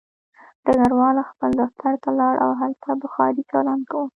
ډګروال خپل دفتر ته لاړ او هلته بخاري چالان وه